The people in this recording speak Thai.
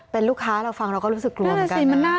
เป็นลูกค้าเราฟังเราก็รู้สึกกลัวเหมือนกัน